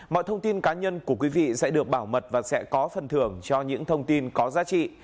mọi thông tin cá nhân của quý vị sẽ được bảo mật và sẽ có phần thưởng cho những thông tin có giá trị